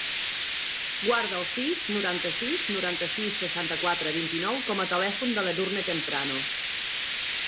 Guarda el sis, noranta-sis, noranta-sis, seixanta-quatre, vint-i-nou com a telèfon de l'Edurne Temprano.